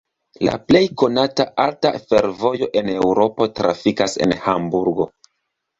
La plej konata alta fervojo en Eŭropo trafikas en Hamburgo.